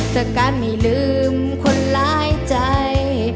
แต่การไม่ลืมคนร้ายใจ